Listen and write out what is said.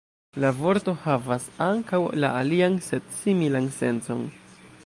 La vorto havas ankaŭ la alian sed similan sencon.